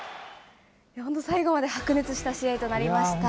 本当、最後まで白熱した試合となりました。